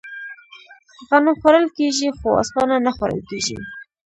غنم خوړل کیږي خو اوسپنه نه خوړل کیږي.